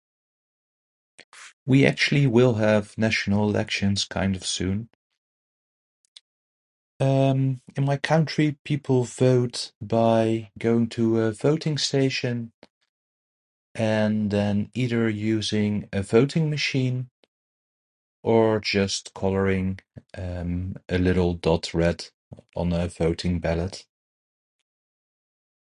We actually will have national elections kind of soon. Em, in my country people vote by going to a voting station and then either using voting machine or just coloring, em, a little dot red on a voting ballet.